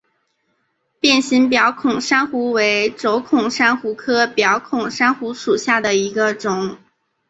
变形表孔珊瑚为轴孔珊瑚科表孔珊瑚属下的一个种。